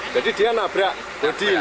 jadi dia nabrak bodi ini